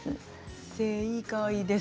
正解です